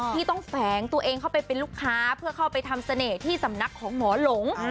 ที่ต้องแฝงตัวเองเข้าไปเป็นลูกค้าเพื่อเข้าไปทำเสน่ห์ที่สำนักของหมอหลง